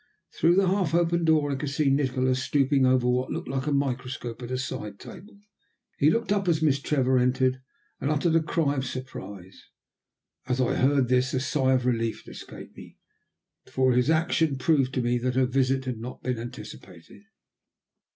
Through the half open door I could see Nikola, stooping over what looked like a microscope at a side table. He looked up as Miss Trevor entered, and uttered a cry of surprise. As I heard this a sigh of relief escaped me, for his action proved to me that her visit had not been anticipated.